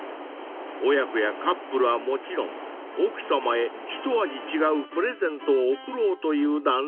［親子やカップルはもちろん奥さまへ一味違うプレゼントを贈ろうという男性も］